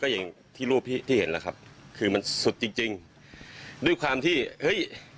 อย่างที่รูปที่ที่เห็นแล้วครับคือมันสุดจริงจริงด้วยความที่เฮ้ย